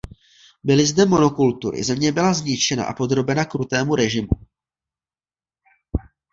Byly zde monokultury, země byla zničena a podrobena krutému režimu.